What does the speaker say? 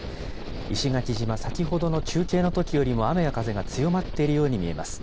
石垣島、先ほどの中継のときよりも雨や風が強まっているように見えます。